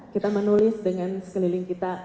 kita menulis dengan sekeliling kita